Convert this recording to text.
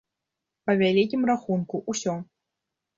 Па вялікім рахунку, усё.